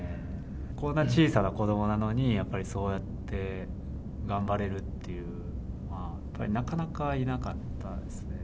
こんな小さな子どもなのに、やっぱりそうやって頑張れるっていう、やっぱりなかなかいなかったですね。